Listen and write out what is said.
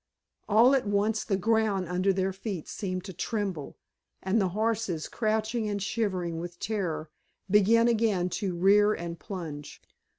All at once the ground under their feet seemed to tremble, and the horses, crouching and shivering with terror, began again to rear and plunge.